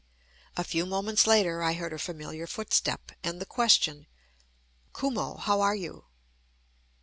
A few moments later I heard a familiar footstep, and the question, "Kumo, how are you?"